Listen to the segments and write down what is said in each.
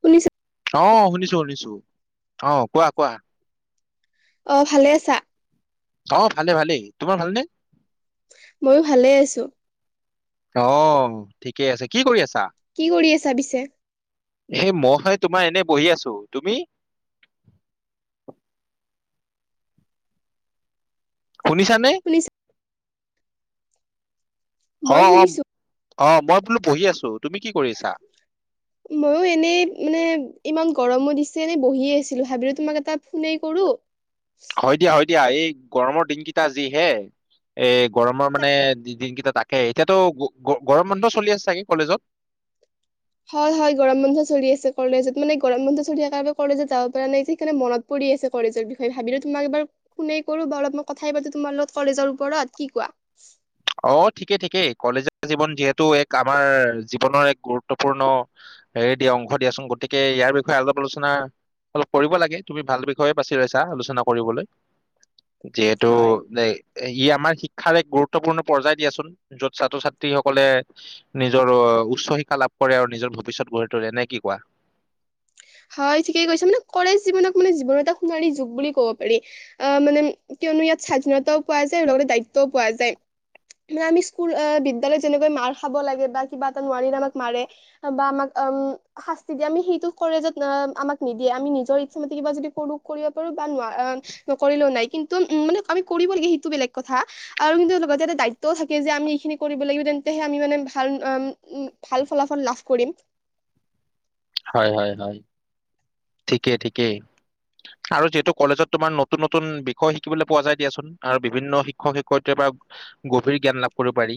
শুনিছ আহ শুনিছো শুনিছো অ কোৱা কোৱা। অ ভালে আছা? অ ভালে ভালেই। তোমাৰ ভালনে? মইও ভালে আছো। ঠিকে আছে কি কৰি আছা। কি কৰি আছা পিছে? হয় তোমাৰ এনে বহি আছো। তুমি? শুনিছা নে? শুনিছা অ মই অ শুনিছো। অ মই বোলো বহি আছো। তুমি কি কৰিছা? ময়ো এনেই মানে ইমান গৰমো দিছে এনে বহিয়ে আছিলো ভাবিলোঁ তোমাক এটা ফোনে কৰো। হয় দিয়া হয় দিয়া এই গৰমৰ দিনকেইটা যি হে এ গৰমৰ মানে এ, দিনকেইটা ত তাকে এতিয়াতো গৰম বন্ধ চলি আছে চাগে কলেজত। হয় হয় গৰম বন্ধ চলি আছে কলেজত মানে গৰম বন্ধ চলি থকাৰ বাবে কলেজত যাব পৰা নাই সেইকাৰণে মনত পৰি আছে কলেজৰ বিষয়ে ভাবিলো তোমাক এবাৰ ফোনে কৰো বা অলপ মই কথাই পাতো তোমাৰ লগত কলেজৰ ওপৰত কি কোৱা। [unintelligible] অ ঠিকেই ঠিকেই কলেজীয়া জীৱন যিহেতু এক আমাৰ জীৱনৰ এক গুৰুত্বপূৰ্ণ। হে দিয়া অংশ দিয়াচোন গতিকে ইয়াৰ বিষয়ে অলপ আলোচনা। অলপ কৰিব লাগে তুমি ভাল বিষয়ে বাছি লৈছা আলোচনা কৰিবলৈ। যিহেতু হয় ই আমাৰ শিক্ষাৰ এক গুৰুত্ব। গুৰুত্বপূৰ্ণ পৰ্যায় দিয়াচোন য'ত ছাত্ৰ ছাত্ৰীসকলে নিজৰ উচ্চ শিক্ষা লাভ কৰে আৰু নিজৰ। ভৱিষ্যত গঢ়ি তোলে নে কি কোৱা। [unintelligible] হয় ঠিকেই কৈছা মানে কলেজ জীৱনক মানে জীৱনৰ এটা সোণালি যুগ বুলি ক'ব পাৰি আহ মানে। কিয়নো ইয়াত স্বাধীনতাও পোৱা যায় আৰু লগতে দায়িত্বও পোৱা যায়। ম আমি স্কুল বিদ্যালয়ত যেনেকৈ মাৰ খাব লাগে বা কিবা এটা নোৱাৰিলে আমাক মাৰে বা আমাক। উম শাস্তি দিয়ে আমি সেইটো। কলেজত আমাক নিদিয়ে আমি নিজৰ ইচ্ছা মতে কিবা যদি কৰো কৰিব পাৰো বা ন নকৰিলেও নাই। কিন্তু উম মানে আমি কৰিব লাগে সেইটো বেলেগ কথা আৰু কিন্তু লগতে দায়িত্বও থাকে যে আমি এইখিনি কৰিব লাগিব। হে আমি মানে ভাল উ উ ভাল ফলাফল লাভ কৰিম। হয় হয় হয় ঠিকেই ঠিকেই। আৰু যিহেতু কলেজত তোমাৰ নতুন নতুন বিষয় শিকিবলৈ পোৱা যায় দিয়াচোন আৰু বিভিন্ন শিক্ষক শিক্ষয়িত্ৰী। গভীৰ জ্ঞান লাভ কৰিব পাৰি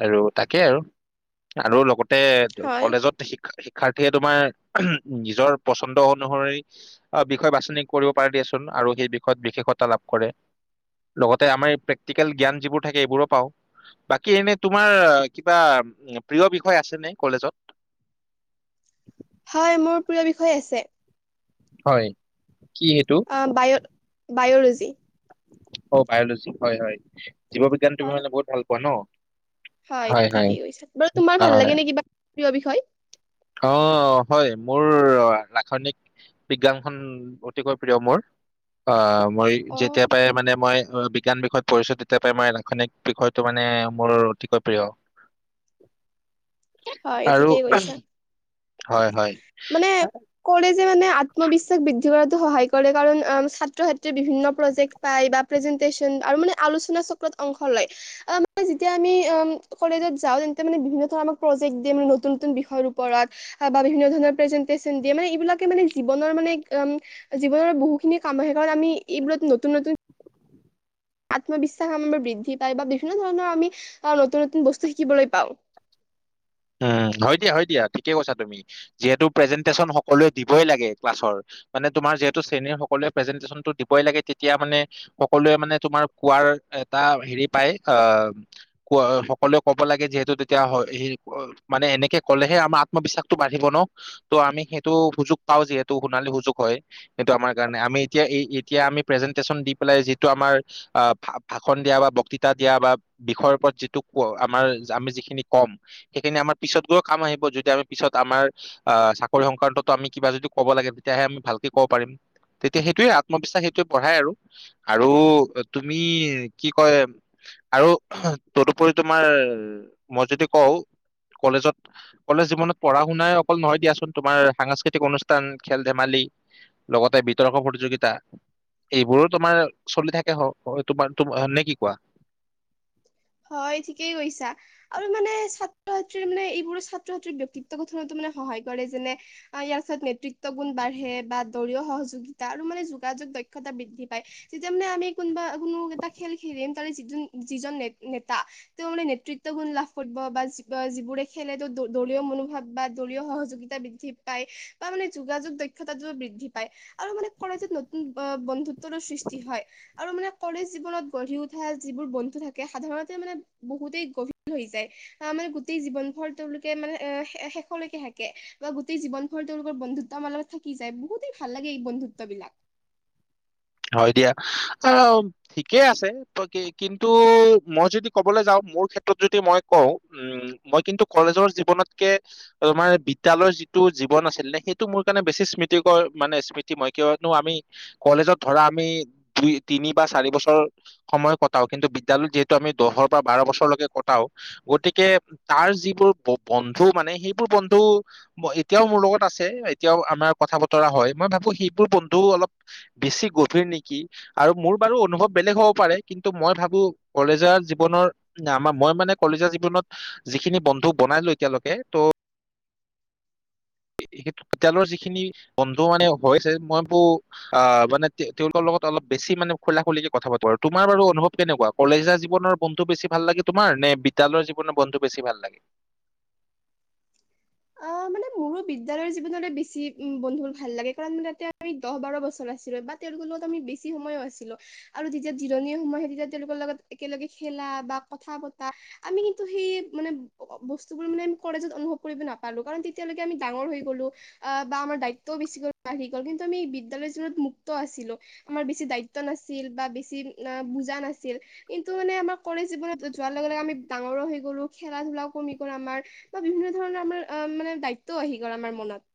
আৰু তাকেই আৰু আৰু লগতে। হয় কলেজত শিক্ষা। সেই তোমাৰ উম নিজৰ পচন্দ অনুসৰি বিষয় বাছনি কৰিব পাৰ দিয়াচোন আৰু। এই বিষত বিশেষতা লাভ কৰে। লগতে আমাৰ প্ৰেক্টিকেল জ্ঞান যিবোৰ থাকে এইবোৰো পাওঁ। বাকী এনে তোমাৰ কিবা প্ৰিয় বিষয় আছে নে কলেজত? [unintelligible] হয়, মোৰ প্ৰিয় বিষয় আছে। হয়। কি সেইটো অ, বায় বায়'লজি। অ, বায়লজি হয়, হয়। জীৱ বিজ্ঞান তুমি হয় মানে বহুত ভাল পোৱা ন? হয়, ঠিকেই কৈছে। বাৰু তোমাৰ ভাল লাগে অ নে কিবা প্ৰিয় বিষয়? অ, হয় মোৰ ৰাসায়নিক বিজ্ঞানখন অতিকৈ প্ৰিয় মোৰ। অ, মই অ যেতিয়া পাই মানে মই। বিজ্ঞান বিষয়ত পৰিচয়তি পাই মই ৰাসায়নিক বিষয়টো মানে মোৰ অতিকৈ প্ৰিয়। হয়, আৰু ঠিকেই কৈছা। হয়, হয়। মানে কলেজে মানে আত্মবিশ্বাস বৃদ্ধি কৰাতো সহায় কৰে। কাৰণ ছাত্ৰ-ছাত্ৰীয়ে বিভিন্ন প্ৰজেক্ট পায় বা প্ৰেজেন্। পেজেন্ট টেচন আলোচনা চক্ৰ ত অংশ লয় মই তেতিয়া আমি কলেজত যাওঁ। বিভিন্ন ধৰণৰ। প্ৰজেক্ দিম নতুন- নতুন বিষয়ৰ ওপৰত বা বিভিন্ন ধৰণৰ প্ৰেজেনটেচন দিয়ে ম এইবিলাকে মানে জীবনৰ। উম জীৱনৰ বহুখিনি কাম আহে কাৰণ আমি এইবোৰত নতুন নতুন। আত্মবিশ্বাস আমাৰ বৃদ্ধি পায় বা বিভিন্ন ধৰণৰ আমি নতুন নতুন বস্তু শিকিবলৈ পাওঁ। [unintelligible] উম, হয় দিয়া, হয় দিয়া ঠিকে কৈছা তুমি। যিহেতু প্ৰেজেন্টেচন সকলোৱে দিবই লাগে মানে ক্লাছ ৰ। মাৰ যিহেতু শ্ৰেণীৰ সকলোৱে প্ৰেজেন্টেচন দিবই লাগে তেতিয়া মানে সকলোৱে মানে তোমাৰ কোৱাৰ এটা। হেৰি পায় আহ ক সকলোৱে ক'ব লাগে যিহেতু তেতিয়া। অ, মানে এনেকে ক'লেহে আমাৰ আত্মবিশ্বাসটো বাঢ়িব ন। ত' আমি সেইটো সুযোগ পাও যিহেতু সোণালী। য়া যিটো আমাৰ কাৰণে। আমি এতিয়া এই প্ৰেজেনটেচন দি পেলাই যিটো আমাৰ। ভাষণ দিয়া বা বক্তৃতা দিয়া বা বিষয়ৰ ওপৰত যিটো ক আমাৰ আমি যিখিনি কম-। - সেইখিনি আমাৰ পিছত গৈও কাম আহিব। যদি আমি পিছত আমাৰ আহ চাকৰি সংক্ৰান্ততো আমি কিবা যদি ক'ব লাগে তেতিয়া। তেয়াহে আমি ভালকে কব পাৰিম। তেতিয়া সেইটোৱে আত্মবিশ্বাস সেইটোৱে বঢ়াই আৰু আৰু তুমি কি কয়। আৰু তদুপৰি তোমাৰ মই যদি কওঁ। কলেজত কলেজ জীৱনত পঢ়া শুনাই অকল নহয় দিয়াচোন। তোমাৰ সাংস্কৃতিক অনুষ্ঠান খেল ধেমালি। লগতে বিতৰ্ক প্ৰতিযোগিতা। এইবোৰো তোমাৰ চলি থাকে তোমাৰ নে কি কোৱা? হয়, ঠিকেই কৈছা। আৰু মানে, ছাত্ৰ-ছাত্ৰীৰ মানে এইবোৰ ছাত্ৰ-ছাত্ৰীৰ ব্যক্তিত্ব গঠনতো মানে সহায় কৰে যেনে ইয়াৰ পিছত নেতৃত্ব গুণ বাঢ়ে বা দলীয় সহযোগিতা আৰু মানে যোগাযোগ দক্ষতা বৃদ্ধি পায় যেতিয়া মানে আমি কোনোবা মোক এটা খেল খেলিম তোৰে যিটো যিজন নেতা তেওঁ মানে নেতৃত্ব গুণ লাভ কৰিব বা যিবোৰে খেলে তেওঁ দলীয় মনোভাৱ বা দলীয় সহযোগিতা বৃদ্ধি পায় বা মানে যোগাযোগ দক্ষতাটোৰ বৃদ্ধি পায়। আৰু মানে, কলেজত নতুন বন্ধুত্বৰ সৃষ্টি হয় আৰু মানে কলেজ জীৱনত গঢ়ি উঠা যিবোৰ বন্ধু থাকে সাধাৰণতে মানে বহুতেই গভীৰ হৈ যায়। আহ মানে গোটেই জীৱন ভৰ তেওঁলোকে মানে এ শেষলৈকে থাকে বা গোটেই জীৱন ভৰ তেওঁলোকৰ বন্ধুত্ব আমাৰ লগত থাকি যায় বহুতেই ভাল লাগে এই বন্ধুত্ব। লাগ হয় দিয়া। অহ, ঠিকেই আছেই কিন্তু মই যদি কবলৈ যাওঁ মোৰ ক্ষেত্ৰত যদি মই কওঁ উম, মই কিন্তু কলেজৰ জীৱনতকে তোমাৰ বিদ্যালয় যিটো জীৱন আছিল নে সেইটো মোৰ কাৰণে বেছি স্মৃতিকৰ মানে স্মৃতি মই কিয়নো আমি কলেজত ধৰা আমি দুই, তিনি বা চাৰি বছৰ সময় কটাও। কিন্তু, বিদ্যালয়ত যিহেতু আমি দহৰ পৰা বাৰ বছৰলৈকে কটাও গতিকে তাৰ যিবোৰ বন্ধু মানে সেইবোৰ বন্ধু এতিয়াও মোৰ লগত আছে এতিয়াও আমাৰ কথা বতৰা হয় মই ভাবো সেইবোৰ বন্ধু অলপ বেছি গভীৰ নেকি আৰু মোৰ বাৰু অনুভৱ বেলেগ হ'ব পাৰে কিন্তু মই ভাবো কলেজ জীৱনত হ নে আমাৰ মই মানে কলজীয়া জীৱনত যিখিনি বন্ধু বনাই লো এতিয়ালৈকে তো' এতিয়ালৈকে যিখিনি বন্ধু মানে হৈছে মই বোৰ আহ মানে তেওঁলোক লগত অলপ বেছি মানে খোলা খুলিকে কথা পাতো তোমাৰ অনুভৱ কেনেকুৱা কলেজীয়া জীৱনৰ বন্ধু বেছি ভাল লাগে তোমাৰে নে নে বিদ্যালয় জীৱনৰ বন্ধু বেছি ভাল লাগে অহ মানে মানে মোৰো বিদ্যালয়ৰ জীৱনলৈ বেছি উম বন্ধু ভাল লাগে কাৰণ তাতে আমি দহ বাৰ বছৰ আছিলো বা তেওঁলোক স্কুল আমি বেছি সময়ো আছিলো আৰু তেতিয়া জিৰণি সময় সেই তেতিয়া তেওঁলোকৰ লগত একেলগে খেলা বা ক কথা পতা আমি কিন্তু সেই মানে বস্তুবোৰ মানে কলেজত অনুভৱ কৰিবি নো নেপালো কাৰণ তেতিয়ালৈকে আমি ডাঙৰ হৈ গলো বা আমাৰ দায়িত্ব বেছিকৈ গল কিন্তু আমি বিদ্যালয় মুক্ত আছিলো আমাৰ বেছি দায়িত্ব নাছিল বা বেছি বুজা নাছিল কিন্তু মানে আমাৰ কলেজ‌ জীৱনত যোৱাৰ লগে লগে আমি ডাঙৰো হৈ গ'লো খেলা ধূলাও কমি গ'ল আমাৰ বা বিভিন্ন ধৰণৰ আমাৰ অহ মানে দায়িত্বও আহি গ'ল আমাৰ মনত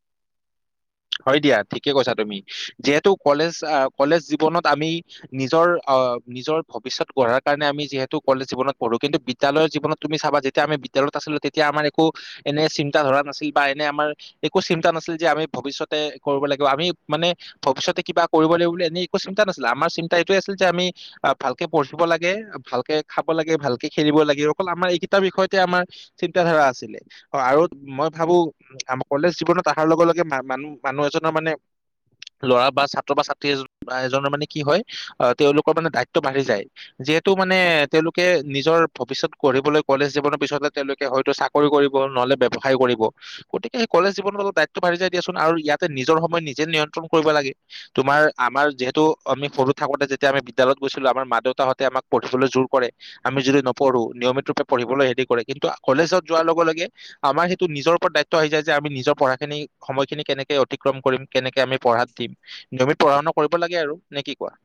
হয় দিয়া ঠিকে কৈছা তুমি যিহেতু কলেজ কলেজ জীৱনত আমি নিজৰ অ নিজৰ ভৱিষ্যতঢ়াৰ কাৰণে আমি যিহেতু কলেজ জীৱনত পঢ়ো কিন্তু বিদ্যালয়ৰ জীৱনত তুমি চাবা যেতিয়া আমি বিদ্যা বিদ্যালয়লত আছিলো তেতিয়া আমাৰ একো এনে চিন্তা ধৰা নাছিল বা এনে আমাৰ একো চিন্তা নাছিল যে আমি ভৱিষ্যত তে কৰিব লাগিব আমি মানে ভৱিষ্যতে কিব কৰিব লাগিব বুলি এনে একো চিন্তা নাছিলে আমাৰ চিন্তা এইটোয়ে আছিল যে আমি অহ ভালকে পঢ়িব লাগে ভাল কে খাব লাগে ভাল খেলিব লাগে অকল আমাৰ এইকেইটাৰ বিষয়তে আমাৰ চিন্ত ধাৰা আছিলে অ আৰু মই ভাবো আম কলেজ জীৱনত অহাৰ লগে লগে ম মানুহ মানুহ এজনৰ মানে লৰা বা ছাত্ৰ বা ছাত্ৰী এজনৰ মানে কি হয় আহ তেওঁলোকৰ মানে দায়িত্ব বাঢ়ি যায় যিহেতু মানে তেওঁলোকে নিজৰ ভৱিষ্যত গঢ়িবলৈ কলেজ জীৱনৰ পিছততে তেওঁলোকে হয়তো চাকৰি কৰিব নহলে ব্যৱসায় কৰিব গতিকে সেই কলেজ জীৱনৰত দায়িত্ব বাঢি যাই দিয়াচোন আৰু ইয়াত নিজৰ সময় নিজে নিয়ন্ত্ৰণ কৰিব লাগে তোমাৰ আমাৰ যিহেতু আমি সৰু থাকোঁতে যেতিয়া আমি বিদ্যালয় গৈছিলো আমাৰ মা দেউতাহঁতে আমাক পঢ়িবলৈ জোৰ কৰে আমি যদি নপঢ়ো নিয়মিত ৰূপে পঢ়িবলৈ হেৰি কৰে কিন্তু কলেজত যোৱাৰ লগে লগে আমাৰ সেইটো নিজৰ ওপৰত দায়িত্ব আহি যায় যে আমি নিজৰ পঢ়াখিনি সময়খিনি কেনেকে অতিক্ৰম কৰিম কেনেকে আমি পঢ়াত দিম নিয়মিত পঢ়া শুনা কৰিব লাগে আৰু নে কি কোৱা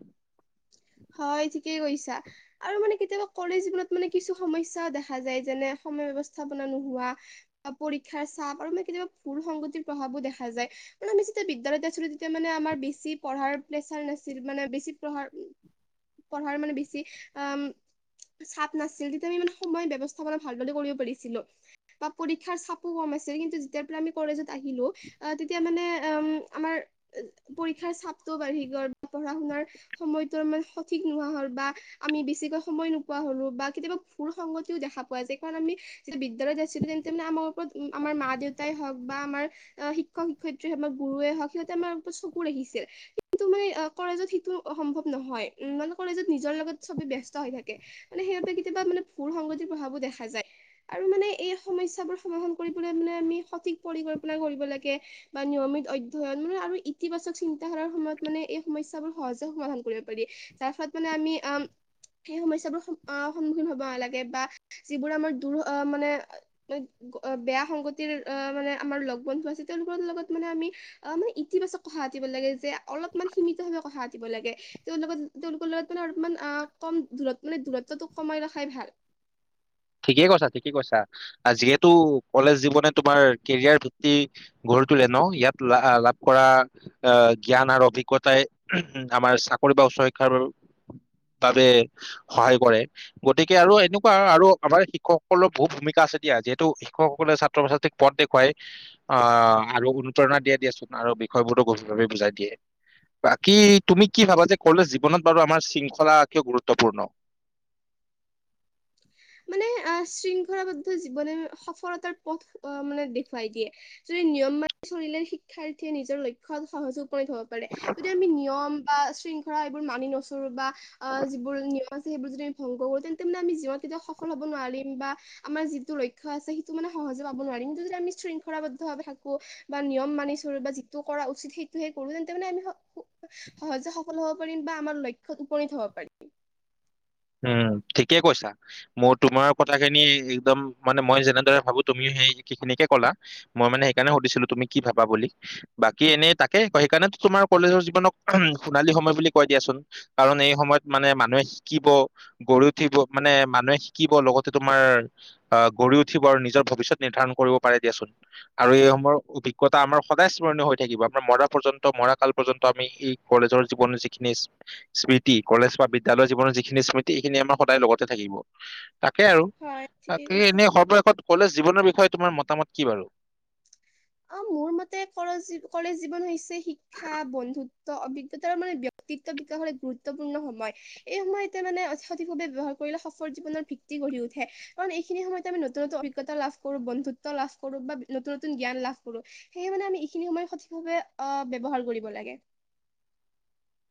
হয় ঠিকেই কৈছা আৰু মানে কেতিয়াবা কলেজ জীৱনত মানে কিছু সমস্যাও দেখা যায় যেনে সময় ব্যস্থাপনা নোহোৱা পৰীক্ষাৰ চাপ আৰু মানে কেতিয়াবা ভুল সংগতিৰ প্ৰভাৱো দেখা যায় মানে আমি যেতিয়া বিদ্যালয়তে আছিলো তেতিয়া মানে আমাৰ বেছি পঢ়াৰ প্ৰেচাৰ নাছিল মানে বেছি পঢ়াৰ পঢ়াৰ মানে বেছি অও চাপ নাছিল তেতিয়া আমি মানে সময় ব্যৱস্থাপনা ভালদৰে কৰিব পাৰিছিলো বা পৰীক্ষাৰ চাপো কম বা ছেকেণ্ডতো যেতিয়া পৰা আমি কলেজৰ আহিলো অহ তেতিয়া উম আমাৰ পৰীক্ষা চাপ তো বাঢ়ি গ'ল বা পঢ়া শুনাৰ সময়তো ইমান সঠিক নোহোৱা হ'ল বা আমি বেছিকৈ সময় নোপোৱা হলো বা কেতিয়াবা ভুল সংগতিও দেখা দেখা পোৱা যায় কাৰণ আমি যেতিয়া বিদ্যালয়ত আছিলো তেন্তে মানে আমাৰ ওপৰত উম মা দেউতাই হওঁক বা আমাৰ শিক্ষক-শিক্ষয়িত্ৰী হওঁক বা গুৰুৱে হওঁক সিহঁতে আমাৰ ওপৰত চকু ৰাখিছিল। কিন্তু মানে কলেজত সিটো সম্ভৱ নহয়। উম মানে কলেজত নিজৰ লগত চবে ব্যস্ত হৈ থাকে। মানে সেইবাবে কেতিয়াবা মানে ভুল সংগতি প্ৰভাৱো দেখা যায়। আৰু মানে এই সমস্যাবোৰ সমাধান কৰিবলৈ মানে আমি সঠিক পৰিকল্পনা কৰিব লাগে বা নিয়ম নিয়মিত অধ্যয়ন মানে আৰু ইতিবাচক চিন্তা ধাৰাৰ ফলত মানে এই সমস্যাৰ সহজ তে সমাধান কৰিব পাৰি। যাৰ ফলত মানে আমি আ সেই সমস্যাবোৰ আ সন্মুখীন হব লাগে বা যিবোৰ আমাৰ দূৰ আ মানে বেয়া সংগতিৰ অ মানে আমাৰ লগ বন্ধু আছে। তেওঁলোকৰ লগত মানে আমি অ মানে ইতিবাচক কথা পাতিব লাগে যে অলপমান সীমিতভাৱে কথা পাত পাতিব লাগে। তেওঁ লগত তেওঁলোকৰ লগত মানে অলপমান কম দূৰত মানে দূৰত্বটো কমাই ৰখাই ভাল। [inaudible] ঠিকেই কৈছা, ঠিকেই কৈছা। যিহেতু কলেজ জীৱনে তোমাৰ কেৰিয়াৰ ভিত্তি গ গঢ়ি তুলে ন? ইয়াত লাভ কৰা জ্ঞান আৰু অভিজ্ঞতাই আমাৰ চাকৰি অ চৈকাৰৰ [unintelligible] [inaudible] বাবে সহায় কৰে। গতিকে আৰু এনেকুৱা আৰু আমাৰ শিক্ষকসকলৰ বহুত ভূমিকা আছে দিয়া। যিহেতু শিক্ষকসকলে ছাত্ৰ ছাত্ৰীক পদ দেখুৱাই আহ আৰু অনুপ্ৰেৰণা দিয়া দিয়াচোন আৰু বিষয়বোৰো গভীৰভাৱে বুজাই দিয়ে। বাকী তুমি কি ভাবা যে কলেজ জীৱনত বাৰু আমাৰ শৃংখলা কিয় গুৰুত্বপূৰ্ণ? [inaudible] মানে আহ শৃংখলাবদ্ধ জীৱনে সফলতাৰ পথ মানে দেখুৱাই দিয়ে। যদি নিয়ম মানি চলিলে শিক্ষাৰ্থীয়ে নিজৰ লক্ষ্যত সহযোগ কৰি থব পাৰে। যদি আমি নিয়ম বা শৃং এইবোৰ মানি নচলো বা আহ যিবোৰ নিয়ম আছে এইবোৰ যদি আমি ভংগ কৰো তেন্তে আমি জী তেতিয়া সফল হ'ব নোৱাৰিম বা আমাৰ যিটো লক্ষ্য আছে সেইটো মানে সহজে পাব নোৱাৰিম। কিন্তু যদি আমি শৃংখলাবদ্ধ ভাৱে থাকো বা নিয়ম মানি চলোঁ বা যিটো কৰা উচিত সেইটো হে কৰো তেন্তে মানে আমি স সফল হ'ব পাৰিম বা আমাৰ লক্ষ্যত উপনীত হ'ব পাৰিম। উম ঠিকেই কৈছা। মোৰ, তোমাৰ কথাখিনি একদম মানে মই যেনেদৰে ভাবো তুমিও সেই সেই খিনিকে কলা। মই মানে সেইকাৰণে সুধিছিলো তুমি কি ভাবা বুলি। বাকী এনেই তাকে ক সেইকাৰণে তোমাৰ কলেজৰ জীৱনক উ সোণালী সময় বুলি কয় দিয়াচোন। কাৰণ এই সময়ত মানে মানুহে শিকিব গঢ় উঠিব মানে মানুহে শিকিব লগতে তোমাৰ আহ গঢ়ি উঠিব আৰু নিজৰ ভৱিষ্যত নি ধাৰণ কৰিব পাৰে দিয়াচোন। আৰু এই সময়ৰ অভিজ্ঞতা আমাৰ সদায় স্মৰণীয় হৈ থাকিব। আমি মৰা পৰ্যন্ত ম কাল পৰ্যন্ত আমি এই কলেজৰ জীৱনৰ যিখিনি স্মৃতি কলেজ বা বিদ্যালয়ৰ জীৱনৰ যিখিনি স্মৃতি এইখিনি আমাৰ সদায় লগতে থাকিব। তাকে আৰু হয় ঠিকেই তাকে কৈছা। এনেই সৱ শেষত কলেজ জীৱনৰ বিষয়ে তোমাৰ মতামত কি বাৰু? অ মোৰ মতে ক কলেজ জীৱন হৈছে শিক্ষা, বন্ধুত্ব, অভিজ্ঞতাৰ মানে ব্যক্তিত্ব বিকাশৰ এক গুৰুত্বপূৰ্ণ সময়। এই সময়তে মানে সঠিকভাৱে ব্যবহাৰ কৰিলে সফল জীৱনৰ ভিত্তি গঢ়ি উঠে। কাৰণ এইখিনি সময়ত আমি নতুন নতুন অভিজ্ঞতা লাভ কৰো, বন্ধুত্ব লাভ কৰো বা নতুন নতুন জ্ঞান লাভ কৰোঁ। সেয়ে মানে আমি এইখিনি সময় সঠিকভাৱে আহ ব্যবহাৰ কৰিব লাগে।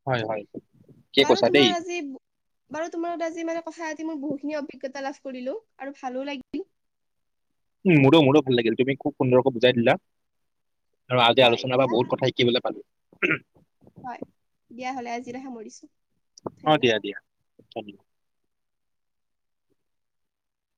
হয়, হয়। ঠিকে বাৰু কৈছা দেই তোমাৰ আজি বাৰু তোমাৰ লগত আজি মানে কথা পাতি মোৰ বহুতখিনি অভিজ্ঞতা লাভ কৰিলো আৰু ভালো লাগিল। উ মোৰো, মোৰো ভাল লাগিল। তুমি খুব সুন্দৰকে বুজাই দিলা। আৰু আজি হয় আলোচনাৰ বা দিয়া বহুত কথা শিকিবলৈ পালো। হয় দিয়া, হ'লে আজিলৈ সামৰিছো, অ দিয়া ধন্যবাদ। দিয়া ধন্যবাদ